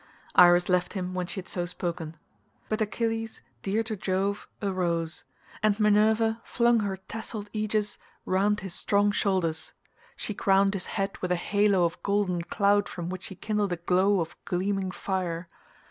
Iris left him when she had so spoken. But Achilles dear to Jove arose, and Minerva flung her tasselled aegis round his strong shoulders; she crowned his head with a halo of golden cloud from which she kindled a glow of gleaming fire.